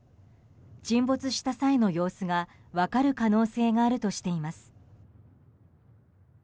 沈没した際の様子が分かる可能性があるとしています。